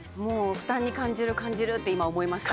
負担に感じる感じるって今思いました。